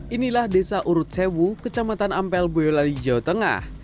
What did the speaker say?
inilah desa urut sewu kecamatan ampel boyolali jawa tengah